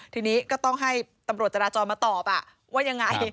ทีนี้ก็ต้องให้ตำรวจจราจรมาตอบว่ายังไง